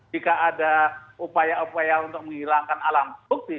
jika ada upaya upaya untuk menghilangkan alat bukti